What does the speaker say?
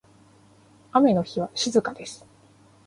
雨の日は静かです。